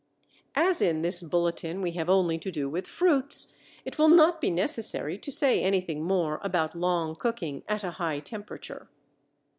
As in this bulletin we have only to do with fruits, it will not be necessary to say anything more about long cooking at a high temperature.